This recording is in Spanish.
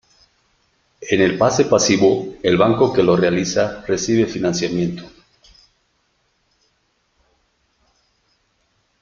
En el pase pasivo el banco que lo realiza recibe financiamiento.